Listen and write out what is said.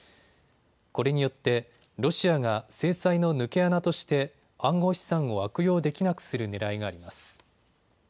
これによってロシアが制裁の抜け穴として暗号資産を悪用できなくするねらいがあります。